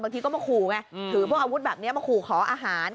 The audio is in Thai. ทีก็มาขู่ไงถือพวกอาวุธแบบนี้มาขู่ขออาหาร